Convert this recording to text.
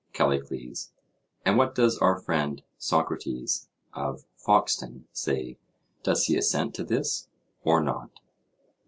CALLICLES: And what does our friend Socrates, of Foxton, say—does he assent to this, or not?